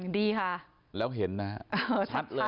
ดีค่ะชัดแล้วเต็มเลย